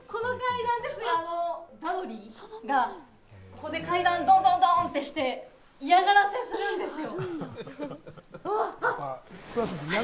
ここで階段、ドンドンドンってして、嫌がらせするんですよ。